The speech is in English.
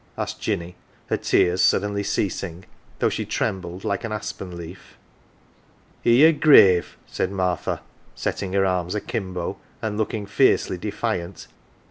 asked Jinny, her tears suddenly ceasing, though she trembled like an aspen leaf. " I' your grave !" said Martha, setting her arms akimbo and looking fiercely defiant.